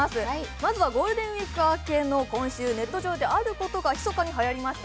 まずはゴールデンウイーク明けの今週、ネットワーク上であることがひそかにはやりました。